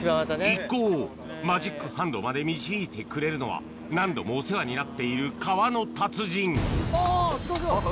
一行をマジックハンドまで導いてくれるのは何度もお世話になっている川の達人おすごいすごい！